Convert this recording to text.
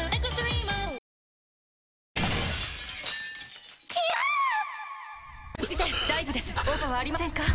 おケガはありませんか？